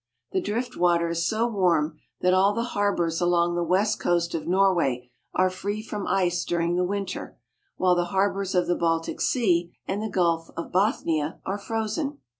The drift water is so warm that all the harbors along the west coast of Nor way are free from ice during the winter, while the harbors of the Baltic Sea and the Gulf of Bothnia are frozen.